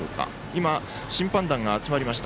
今、審判団が集まりました。